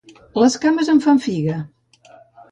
Les cames em fan figa